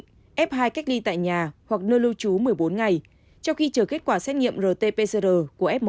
tương tự f hai cách ly tại nhà hoặc nơi lưu trú một mươi bốn ngày cho khi chờ kết quả xét nghiệm rt pcr của f một